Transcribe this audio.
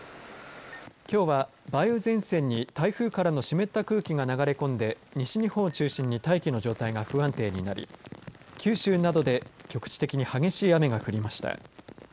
きょうは、梅雨前線に台風からの湿った空気が流れ込んで西日本を中心に大気の状態が不安定になり九州などで局地的に激しい雨が降りました。